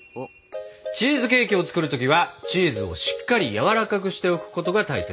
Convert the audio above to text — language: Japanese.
チーズケーキを作る時はチーズをしっかりやわらかくしておくことが大切。